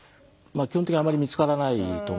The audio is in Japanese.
基本的にあまり見つからないと思うんですよね。